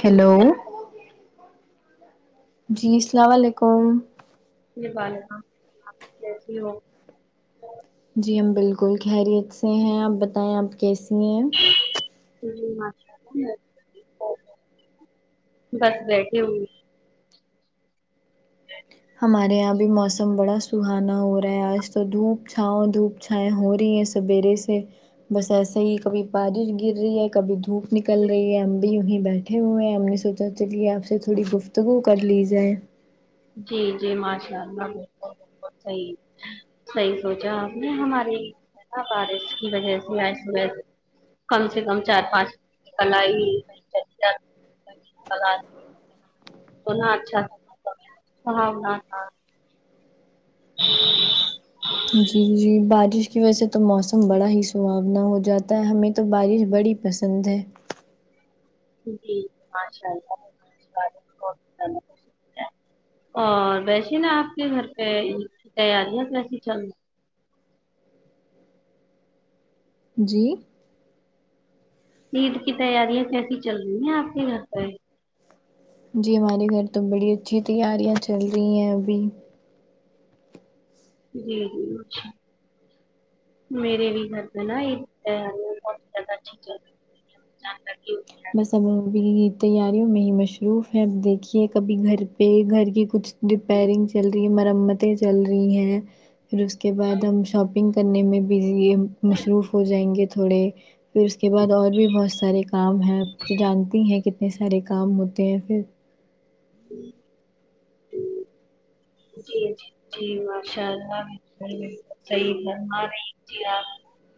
hello یہ جی سلام و علیکم جی وعلیکم آپ کیسی ہو جی ہم بالکل خیریت سے ہیں آپ بتائیں آپ کیسی ہیں [unintelligible] بس بیٹھی ہوئی ہمارے یہاں بھی موسم بڑا سہانا ہو رہا ہے آج تو دھوپ چھاؤں دھوپ چھا ہوائیں ہو رہی ہیں سویرے سے بس ایسا ہی کبھی بارش گر رہی ہے کبھی دھوپ نکل رہی ہے ہم بھی یوں ہی بیٹھ اٹھے ہوئے ہیں ہم نے سوچا چلیے آپ سے تھوڑی گفتگو کر لی جائے جی جی ماشاء اللہ صحیح صحیح سوچاآ پ نے ہمارے نہ بارش کی وجہ سے آج صبح کم سے کم چار پانچ کل ہی [unintelligible] تو نا اچھا سہاونا تھا جی جی بارش کی وجہ سے تو موسم بڑا ہی سہاونا ہو جاتا ہے ہمیں تو بارش بڑی پسند ہے جی ماشاء اللہ بارش بہت پسند ہے تمہیں اور ویسے نا آپ کے گھر پہ عید کی تیاریاں کیسی چل رہی جی عید کی تیاریاں کیسی چل رہی ہیں آپ کے گھر پہ جی ہمارے گھر تو بڑی اچھی تیاریاں چل رہی ہیں ابھی جی جی اچھا میریے بھی گھر پے نہ [unintelligible] جاں تک کے ہو جائے بس اب ہم بھی تیاریوں میں ہی مضروف ہے اب دیکھیے کبھی گھر پہ گھر کی کچھ ریپئیرنگ چل رہی ہے مرمتیں چل رہی ہیں پھر اس کے بعد ہم شاپنگ کرنے میں بھی مصروف ہو جائیں گے تھوڑے پھر اس کے بعد اور بھی بہت سارے کام ہیں آپ تو جانتی ہیں کتنے سارے کام ہوتے ہیں پھر جی جی جی ماشاء اللہ بالکل صحیح فر ما رہی جی آپ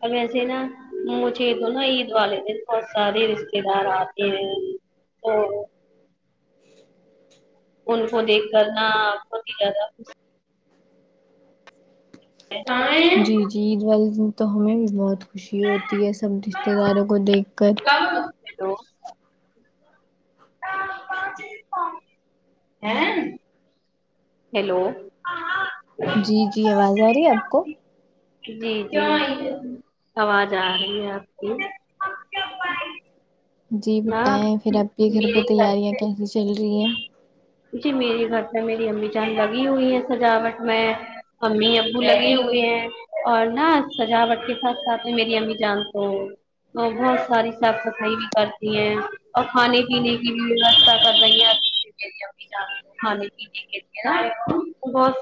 اب ویسے نا مجھے تو نا عید والے دن بہت سارے رشتے دار آتے ہیں تو ان کو دیکھ کر نہ بہت ہی زیادہ خوشی کاں ہیں جی جی عید والے دن تو ہمیں بھی بہت خوشی ہوتی ہے سب رشتتے داروں کو دیکھ کر آپ باجی پا ئیں ہیلو جی جی آواز آ رہی ہے آپ کو جی جی آواز آ رہی ہے آپ کی جی نہ بتائیں پھر آپ کے گھر پہ میرے تیاریاں پہ کیسی چل رہی ہیں جی میری گھر پہ میری امی جان لگی ہوئی ہے سجاوٹ میں امی ابو لگے ہوئے ہیں اور نہ سجاوٹ کے ساتھ ساتھ میں میری امی جان تو بہت ساری صاف صفائی بھی کرتی ہیں اور کھانے پینے کی بھی ویوستھا کر [unintelligible] کھانے کی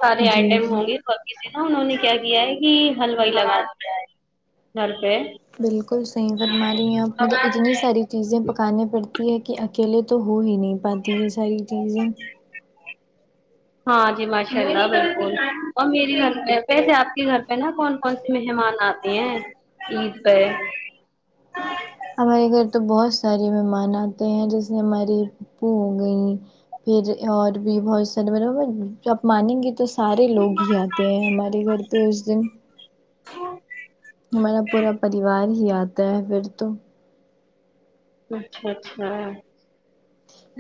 سارے جی آئٹم جی ہونگے نا تو انہوں نے کیا کیا ہے کہ ہلوائی لگا دیا ہے گھر پہ بالکل صحیح فر مارہی ہیں آپ مطلب اتنی ساری چیزیں پکانانی پڑتی ہے کہ اکیلے تو ہو ہی نہیں پاتی یہ ساری چیزیں ہاں جی ماشاء اللہ بالکل اور میری گھر پہ پیسے آپ کے گھر پہ نا کون کون سے مہمان آتے ہیں عید پہ ہمارے گھر تو بہت سارے مہمان آتے ہیں جیسے ہماری پھوپو ہو گئیں پھر جی اور بھی بہت سارے مطلب آپ مانیں گے تو سارے لوگ ہی آتے ہیں ہمارے گھر تو اس دن اچھا ہمارا پورا پریوار ہی آتا ہے فر تو اچھا چھا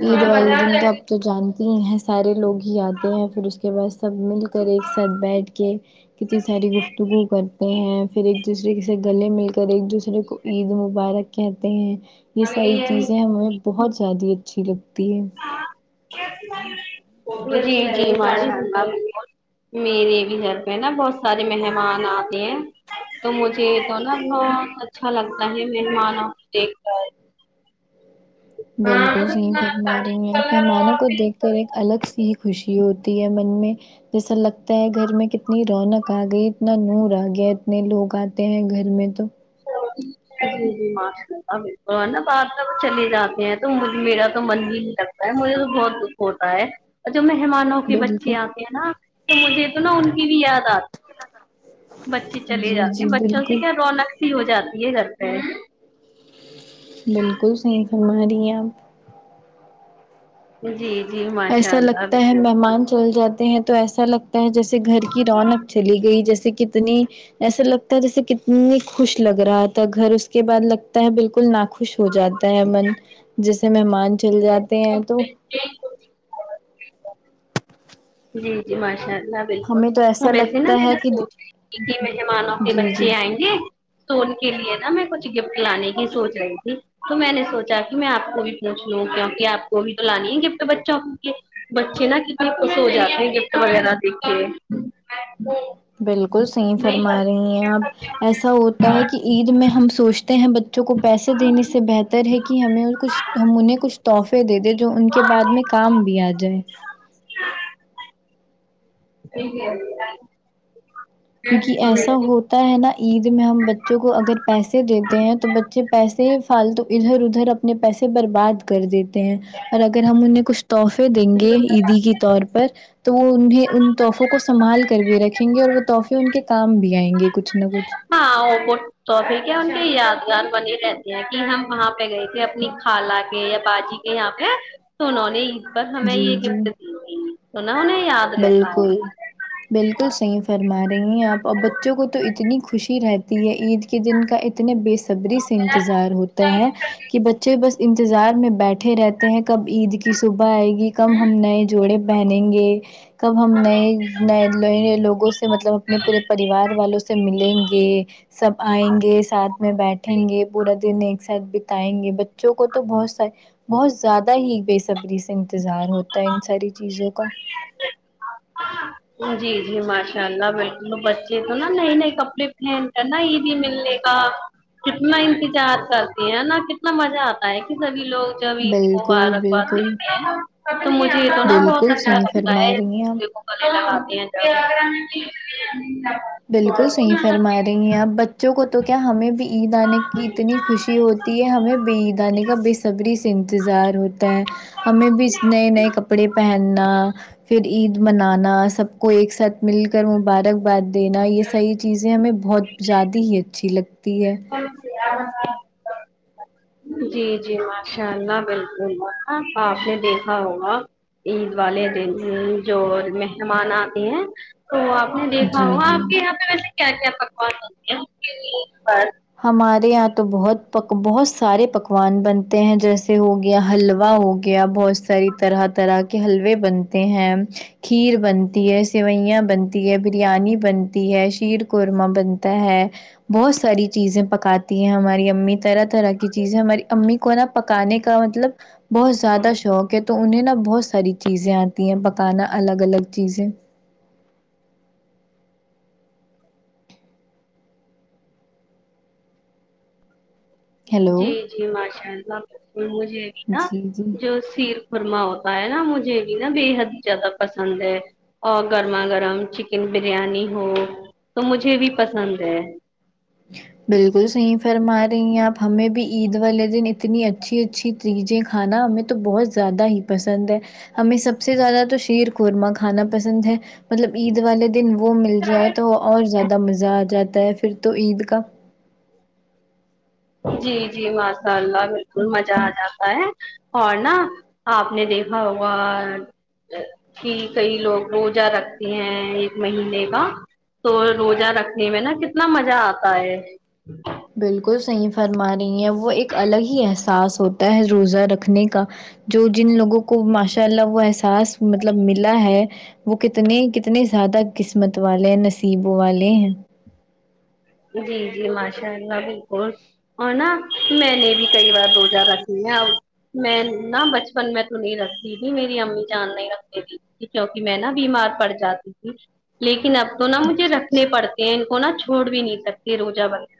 عید والے دن تو اب تو جانتے ہی ہیں سارے لوگ ہی آتے ہیں پھر اس کے بعد سب مل کر ایک ساتھ بیٹھ کے کتی ساری گفتگو کرتے ہیں فر ایک دوسرے سے گلے مل کر ایک دوسرے کو عید مبارک کہتے ہیں یہ ساری چیزیں ہمیں بہت زیادہ اچھی لگتی ہے جی جی ماشاء اللہ بالکل میرے بھی گھر پہ نا بہت سارے مہمان آتے ہیں تو مجھے تو نا نہ اچھا لگتا ہے مہمان کو دیکھ کر بالکل صحیح فرما رہی ہیں مہمانوں کو دیکھ کر ایک الگ سی خوشی ہوتی ہے من میں جیسا لگتا ہے گھر میں کتنی رونق آ گئی اتنا نور آ گیا اتنے لوگ آتے ہیں گھر میں تو [unintelligible] جی جی ماشاء اللہ بالکل ہے نا بعد میں چلے جاتے ہیں تو مجھ میرا تو من ہی نہیں لگتا مجھے تو بہت دکھ ہوتا ہے جو مہمانوں کے بچے بالکل آتے ہیں نا تو مجھے تو نا ان کی بھی یاد آتی بچے چلے جی جاتے جی ہیں بچوں سے بالکل کیا رونق س ہی ہو جاتی ہے گھر پہ بالکل صحیح فرما رہی ہیں آپ جی جی ماشاء ایسا اللہ لگتا ہے مہمان چل جاتے ہیں تو ایسا لگ جیسے گھر کی رونق چلی گئی جیسے کہ اتنی ایسا لگتا ہے جیسے کتنی خوش لگ رہا تھا گھر اس کے بعد لگتا ہے بالکل نا خوش ہو جاتا ہے من جیسے مہمان چل جاتے ہیں تو [unintelligible] جی جی ماشاء اللہ بالکل ہمیں تو وہ ایسا ویسے نا لگتا میں نہ ہے کہ سوچ رہی تھی کہ مہمانوں کے جی جی بچے آئیں گے تو ان کے لیے نا میں کچھ گفٹ لانے کی سوچ رہی تھی تو میں نے سوچا کہ میں آپ کو بھی پوچھ لوں کیوں کہ آپ کو بھی تو لانی ہے گفٹ بچوں بچے نا کتنے خوش ہو جاتے ہیں گفٹ وغیرہ دیکھ کے بالکل صحیح فرما رہی ہیں آپ ایسا ہوتا ہے کہ عید میں ہم سوچ تے ہیں بچوں کو پیسے دینے سے بہتر ہے کہ ہمیں کچھ ہم انہیں کچھ تحفے دے دیں جو ان کے بعد میں کام بھی آ جائے [unintelligible] کیونکہ ایسا ہو جی تا ہے نا عید میں ہم بچوں کو اگر پیسے دیتے ہیں تو بچے پیسے فالتو ادھر ادھر اپ نے پیسے برباد کر دیتے ہیں اور اگر ہم انہیں کچھ تحفے دیں گے عیدی کے طور پر تو وہ انہیں ان تحفوں کو سنبھال کر بھی رکھیں گے اور وہ تحف فے ان کے کام بھی آئیں گے کچھ نہ کچھ ہاں آ یے پوٹ سوپے کے ان کے یادگار بنے رہتے ہیں کہ ہم وہاں پہ گئے تھے اپنی خالہ کے یا باجی کے یہاں پہ سنوں نے عید پر ہمیں جی یہ جی گفٹ دیے تھے [unintelligible] نے بالکل بالکل صحیح فرما رہی ہیں آپ اب بچوں کو تو اتنی خوشی رہتی ہے عید کے دن کا اتنے بے صبری سے انتظار ہوتا ہے کہ بچے بس انتظار میں بیٹھے رہ کہیں کب عید کی صبح آئے گی کب ہم نئے جوڑے پہنیں گے کب ہم نئے ن نئے نئے لوگوں سے مطلب اپنے پورے پریوار والوں سے ملیں گے سب آئیں گے ساتھ میں بیٹھیں گے پورا دن ایک ساتھ بی تائیں گے بچوں کو تو بہت س بہت زیادہ ہی بے صبری سے انتظار ہوتا ہے ان ساری چیزوں کا [unintelligible] جی جی ماشاء اللہ بالکل بچے تو نا نئے نئے کپڑے پہن ن عیدی ملنے کا کتنا انتجار کرتے ہیں نا کتنا مزہ آتا ہے کہ سبھی لوگ جب عید بالکل مبارکباد بالکل دیتے ہیں تو مجھے یہ تو نا بہت بالکل اچھا صحیح لگتا ہے فرما ایک رہی ہیں آپ دوسرے کو [unintelligible] بالکل صحیح فرما رہی ہیں آپ بچوں کو تو کیا ہمیں بھی عید آنے کی اتنی خوشی ہو‌ت ہمیں بھی عید آنے کا بے صبری سے انتظار ہوتا ہے ہمیں بھی نئے نئے کپڑے پہنا پھر عید منانا سب کو ایک ساتھ مل کر مبارک بعد دینا یہ ساری چیزیں ہمیں بہت زیادی ہی اچھی لگتی ہے [inaudible] جی جی ماشاء اللہ بالکل آپ نے دیکھا ہوگا عید والے دن جو مہمان آتے ہیں تو آپ میں دیکھا جی ہوں جی آپ کے یہاں پہ ویسے کیا کیا پکوان پکتے ہیں ان کے لیے پر ہمارے یہاں تو بہت بہت سارے پکوان بنتے ہیں جیسے ہو گیا حلوا ہو گیا بہت ساری طرح طرح کے حلوے بنتے ہیں کھیر بنتی ہے سیوئیاں بنتی ہے بریانی بنتی ہے شیر قورمہ بنتا ہے بہت ساری چیزیں پکاتی ہیں ہماری امی طرح طرح کی چیزیں ہماری امی کو نا پکانے کا مطلب بہت زیادہ بس شوق ہے تو انہیں نا بہت ساری چیزیں آتی ہیں پکانا الگ الگ چیزیں ہیلو جی جی ماشاء اللہ بالکل مجھے بھی نہ جی جی جو سیر خرما ہوتا ہے نا مجھے بھی نا بے حد زیادہ پسند ہے اور گرما گرم چکن بریانی ہو تو مجھے بھی پسند ہے بالکل صحیح فرما رہی ہیں آپ ہمیں بھی عید والے دن اتنی اچھی اچھی چیزیں کھانا ہمیں تو بہت زیادہ ہی پسند ہے ہمیں سب سے زیادہ تو شیر قورمہ کھانا پسند ہے مطلب عید والے دن وہ مل جائے تو اور زیادہ مزہ آ جاتا ہے پھر تو عید کا جی جی ماشاء اللہ بالکل مزہ آ جاتا ہے اور نا آپ نے دیکھا ہوگا کی کئی لوگ روزہ رکھتے ہیں ایک مہینے کا تو روزہ رکھنے میں نا کتنا مزہ آتا ہے بالکل صحیح فرما رہی ہیں وہ ایک الگ ہی احساس ہوتا ہے روزہ رکھنے کا جو جن لوگوں کو ماشاء اللہ وہ احساس مطلب ملا ہے وہ کتنے کتنے زیادہ قسمت والے نصیب والے ہیں جی جی ماشاء اللہ بالکل اور نا میں نے بھی کئی بار روزہ رکھ لیا میں نہ بچپن میں تو نہیں رکھتی تھی میری امی جان نہیں رکھتی تھی کیونکہ میں نا بیمار پڑ جاتی تھی لیکن اب تو نہ جی مجھے جی رکھنے پڑتے ہیں ان کو نہا چھوڑ بھی نہیں سکتے روزہ بغیرہ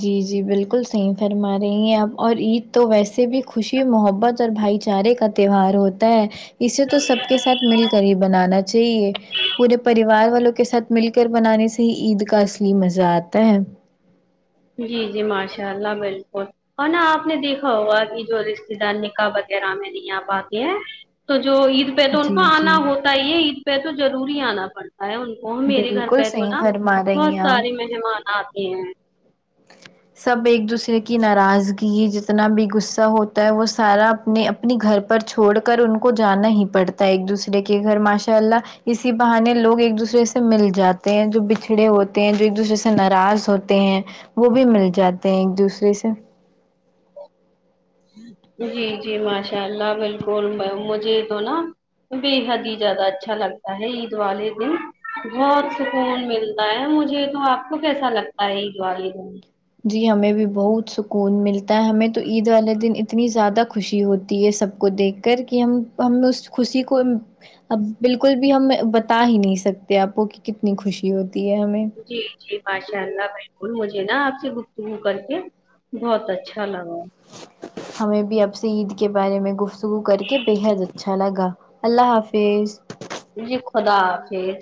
جی جی بالکل صحیح فرما رہی ہیں اپ اور عید تو ویسے بھی خوشی محبت بھائی چارے کا تیہوار ہوتا ہے اسے تو سب کے ساتھ مل کر ہی بنانا چاہیے پورے پریوار والوں کے ساتھ مل کر بنانے سے ہی عید کا اصلی مزہ آتا ہے جی جی ماشاء اللہ بالکل اور نہ آپ نے دیکھا ہوگا کہ جو رشتے دار نکاح وغیرہ میں نہیں آ پاتے ہیں تو جو عید پہ تو ان جی کو آنا جی ہوتا ہی ہے عید پہ تو ضروری آنا پڑتا ہے ان وہ میرے گھر بالکل پہ تو صحیح نا فرما رہی بہت ہیں آپ سارے مہمان آتے ہیں سب ایک دوسرے کی ناراضگی جتنا بھی غصہ ہوتا ہے وہ سارا اپنے اپنی گھر پر چھوڑ کر ان کو جانا ہی پڑتا ایک دوسرے کے گھر ماشاء اللہ اسی بہانے لوگ ایک دوسرے سے مل جاتے ہیں جو بچھڑے ہوتے ہیں جو ایک دوسرے سے ناراض ہوتے ہیں وہ بھی مل جاتے ہیں ایک دوسرے سے جی جی ماشاء اللہ بالکل مجھے تو نا بےحد ہی زیادہ اچھا لگتا ہے عید والے دن بہت سکون ملتا ہے مجھے تو آپ کو کیسا لگتا ہے عید والے دن جی ہمیں بھی بہت سکون ملتا ہے ہمیں تو عید والے دن اتنی زیادہ خوشی ہوتی ہے سب کو دیکھ کر کہ ہم ہم اس خوشی کو اب بالکل بھی ہم بتا ہی نہیں سکتے آپ کو کہ کتنی خوشی ہوتی ہے ہمیں جی جی ماشاء اللہ بالکل مجھے نا آپ سے گفتگو کر کے بہت اچھا لگا ہمیں بھی اپ سے عید کے بارے میں گفتگو کر کے بےحد اچھا ھا لگا اللہ حافظ جی خدا حافظ